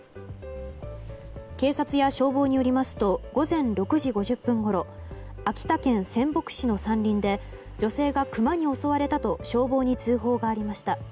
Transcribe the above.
警察や消防によりますと午前６時５０分ごろ秋田県仙北市の山林で女性がクマに襲われたと消防に通報がありました。